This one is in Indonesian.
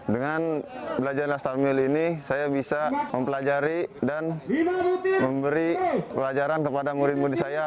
dengan belajarlah stamil ini saya bisa mempelajari dan memberi pelajaran kepada murid murid saya